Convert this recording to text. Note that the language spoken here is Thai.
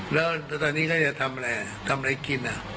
แล้วตอนนี้เขาจะทำอะไรทำอะไรกิน